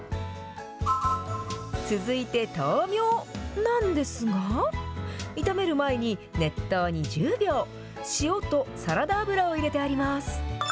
続いてとうみょうなんですが、炒める前に熱湯に１０秒、塩とサラダ油を入れてあります。